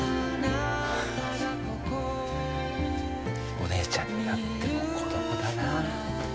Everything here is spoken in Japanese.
お姉ちゃんになっても子どもだなあ。